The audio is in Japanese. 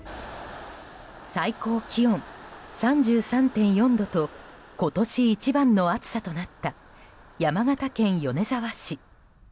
最高気温３３．４度と今年一番の暑さとなった山形県米沢市。